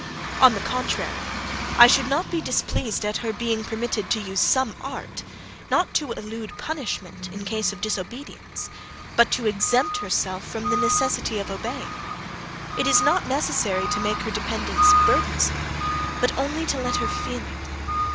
On the contrary, I should not be displeased at her being permitted to use some art, not to elude punishment in case of disobedience, but to exempt herself from the necessity of obeying. It is not necessary to make her dependence burdensome, but only to let her feel it.